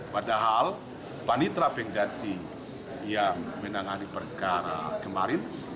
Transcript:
padahal panitra pengganti yang menangani perkara kemarin